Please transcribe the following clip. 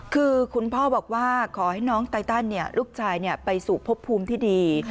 คือคุณพ่อบอกว่าขอให้น้องไตตันลูกชายไปสู่พบภูมิที่ดี